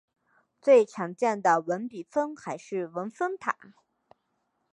最常见的文笔峰还是文峰塔。